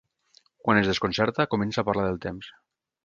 Quan es desconcerta, comença a parlar del temps.